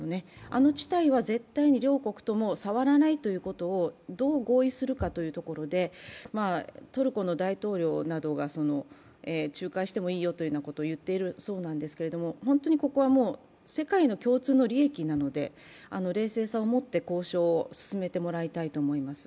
あの地帯は絶対に両国とも触らないということをどう合意するかということでトルコの大統領などが、仲介してもいいよというようなことを言っているそうなんですが本当にここはもう世界の共通の利益なので冷静さを持って交渉を進めていただきたいと思います。